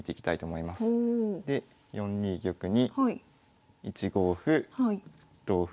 で４二玉に１五歩同歩。